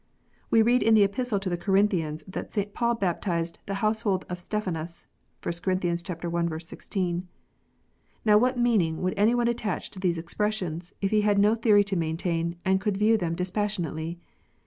We read in the Epistle to the Corinthians that St. Paul baptized "the household of Stephanas." (1 Cor. i. 16.) Now what meaning would any one attach to these expressions, if he had no theory to maintain, and could view them dispassionately